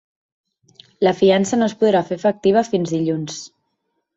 La fiança no es podrà fer efectiva fins dilluns.